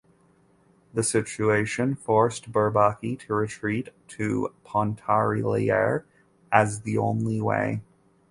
The situation forced Bourbaki to retreat to Pontarlier as the only way.